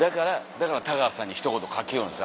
だから田川さんにひと言かけよるんです。